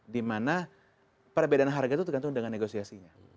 dimana perbedaan harga itu tergantung dengan negosiasinya